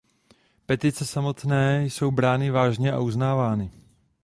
Petice samotné jsou brány vážně a uznávány.